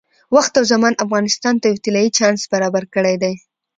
وخت او زمان افغانستان ته یو طلایي چانس برابر کړی دی.